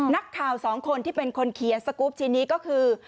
นักข่าวสองคนที่เป็นคนเขียนสกรูปชิ้นนี้ก็คือ